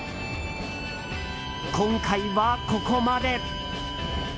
今回はここまで。